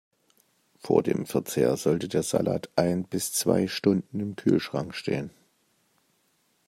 Vor dem Verzehr sollte der Salat ein bis zwei Stunden im Kühlschrank stehen.